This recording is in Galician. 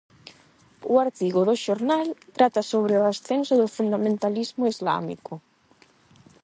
O artigo do xornal trata sobre o ascenso do fundamentalismo islámico.